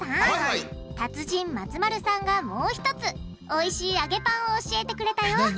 達人松丸さんがもうひとつおいしい揚げパンを教えてくれたよ！